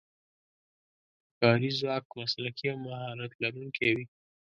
که کاري ځواک مسلکي او مهارت لرونکی وي.